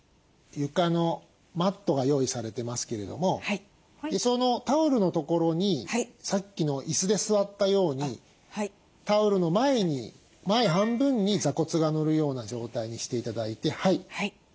床のマットが用意されていますけれどもそのタオルのところにさっきの椅子で座ったようにタオルの前に前半分に座骨がのるような状態にして頂いて。